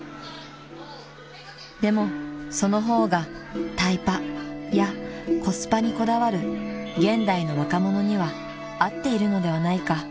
［でもその方がタイパやコスパにこだわる現代の若者には合っているのではないか］